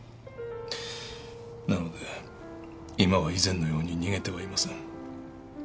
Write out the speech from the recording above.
なので今は以前のように逃げてはいません。